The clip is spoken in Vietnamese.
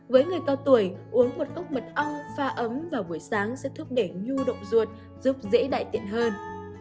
với người cao tuổi uống một cốc mật ong pha ấm vào buổi sáng sẽ thúc đẩy nhu động ruột giúp dễ đại tiện hơn